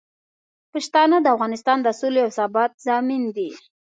پښتانه د افغانستان د سولې او ثبات ضامن دي.